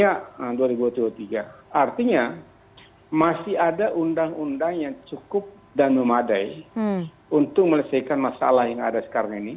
artinya masih ada undang undang yang cukup dan memadai untuk melesaikan masalah yang ada sekarang ini